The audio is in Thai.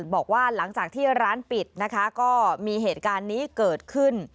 บอกว่าหลังจากที่ร้านปิดนะคะก็มีเหตุการณ์นี้เกิดขึ้น